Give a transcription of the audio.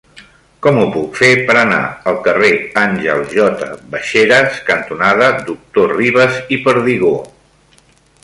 Com ho puc fer per anar al carrer Àngel J. Baixeras cantonada Doctor Ribas i Perdigó?